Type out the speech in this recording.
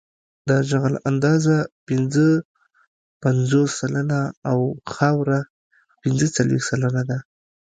د جغل اندازه پنځه پنځوس سلنه او خاوره پنځه څلویښت سلنه ده